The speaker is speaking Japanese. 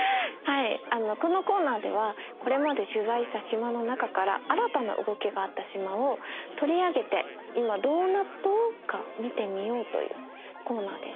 このコーナーではこれまで取材した島の中から新たな動きがあった島を取り上げて「今どうなっ島？」か見てみようというコーナーです。